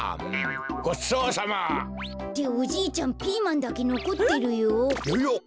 ごちそうさま。っておじいちゃんピーマンだけのこってるよ。ややっ？